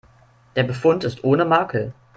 Der Befund ist ohne Makel.